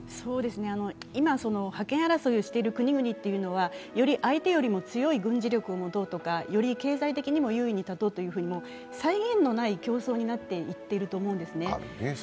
今、覇権争いをしている国々は、より相手より軍事的に強くなろうとかより経済的にも優位に立とうと際限のない競争になっていっていると思うんですね。